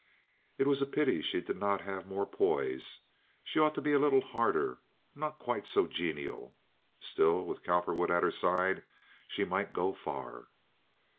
It was a pity she did not have more poise; she ought to be a little harder—not quite so genial. Still, with Cowperwood at her side, she might go far.